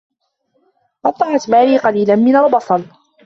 قطّعت ماري قليلا من البصل.